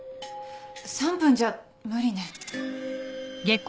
３分じゃ無理ね。